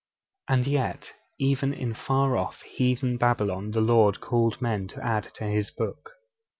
And yet, even in far off heathen Babylon the Lord called men to add to His Book.